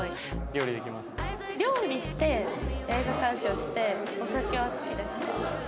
料理して映画鑑賞してお酒は好きですか？